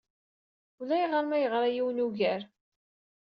Ulayɣer ma yeɣra yiwen ugar.